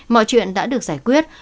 mọi chuyện đã được giải quyết